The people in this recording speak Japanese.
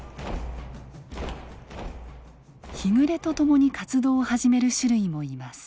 日暮れとともに活動を始める種類もいます。